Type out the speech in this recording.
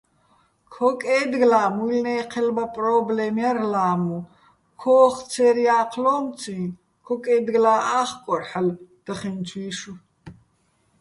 ქო́კეჲდგლა́ მუჲლნე́ჴელბა პრო́ბლემ ჲარ ლა́მუ, ქოხ ცერ ჲა́ჴლო́მციჼ ქო́კეჲდგლა́ ა́ხკორ ჰ̦ალო̆ დახენჩუჲშვ.